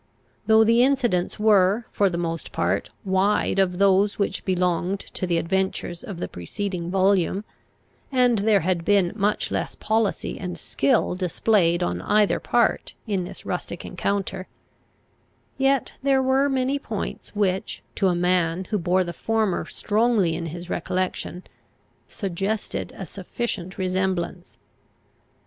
Though the incidents were, for the most part, wide of those which belonged to the adventures of the preceding volume, and there had been much less policy and skill displayed on either part in this rustic encounter, yet there were many points which, to a man who bore the former strongly in his recollection, suggested a sufficient resemblance.